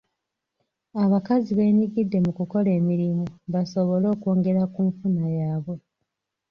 Abakazi beenyigidde mu kukola emirimu basobole okwongera ku nfuna yaabwe.